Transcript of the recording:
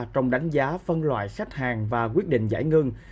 trong đánh giá phân loại khách hàng và quyết định giải ngân